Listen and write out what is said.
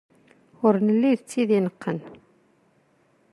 Ur nelli d tid ineqqen.